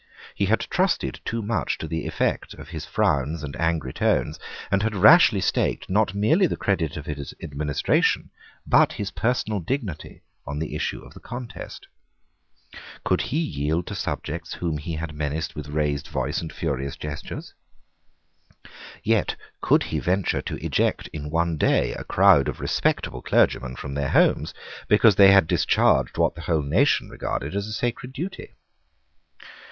He had trusted too much to the effect of his frowns and angry tones, and had rashly staked, not merely the credit of his administration, but his personal dignity, on the issue of the contest. Could he yield to subjects whom he had menaced with raised voice and furious gestures? Yet could he venture to eject in one day a crowd of respectable clergymen from their homes, because they had discharged what the whole nation regarded as a sacred duty?